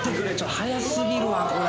早過ぎるわこれ。